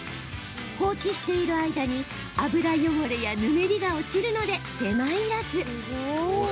放置している間に、油汚れやぬめりが落ちるので手間いらず。